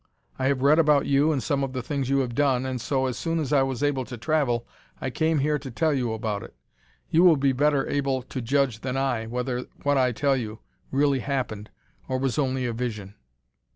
I have read about you and some of the things you have done, and so as soon as I was able to travel I came here to tell you about it. You will be better able to judge than I, whether what I tell you really happened or was only a vision."